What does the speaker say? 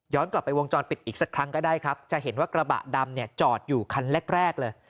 กลับไปวงจรปิดอีกสักครั้งก็ได้ครับจะเห็นว่ากระบะดำเนี่ยจอดอยู่คันแรกแรกเลย